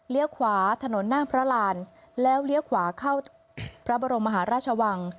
ขวาถนนหน้าพระรานแล้วเลี้ยวขวาเข้าพระบรมมหาราชวัง